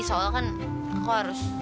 soalnya kan aku harus